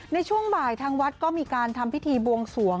ในช่วงบ่ายทางวัดก็มีการทำพิธีบวงสวง